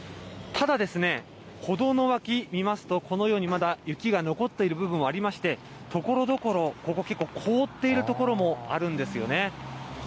ただですね、歩道の脇見ますと、このようにまだ雪が残っている部分もありまして、ところどころ、ここ結構凍っている所もあるんですよね。